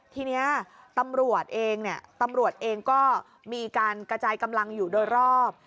ทีนี้ตำรวจเองก็มีการกระจายกำลังอยู่โดยรอบ